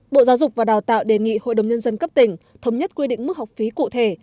bộ giáo dục và đào tạo đề nghị hội đồng nhân dân cấp tỉnh thống nhất quy định mức học phí cụ thể